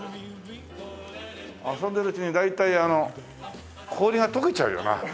遊んでるうちに大体あの氷が溶けちゃうよな。